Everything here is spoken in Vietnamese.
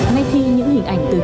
ngay khi những hình ảnh từ nhà